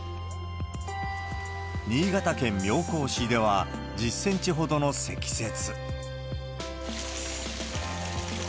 新潟県妙高市では、１０センチほどの積雪。